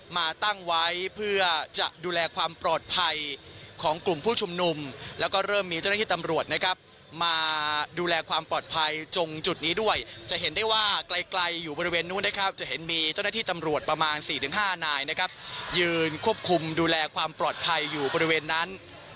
มาตั้งไว้เพื่อจะดูแลความปลอดภัยของกลุ่มผู้ชุมนุมแล้วก็เริ่มมีเจ้าหน้าที่ตำรวจนะครับมาดูแลความปลอดภัยตรงจุดนี้ด้วยจะเห็นได้ว่าไกลไกลอยู่บริเวณนู้นนะครับจะเห็นมีเจ้าหน้าที่ตำรวจประมาณ๔๕นายนะครับยืนควบคุมดูแลความปลอดภัยอยู่บริเวณนั้น